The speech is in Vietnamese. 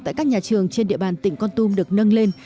tại các nhà trường trên địa bàn tỉnh con tum được nâng lên